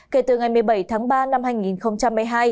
kể từ ngày một mươi bảy tháng ba năm hai nghìn một mươi hai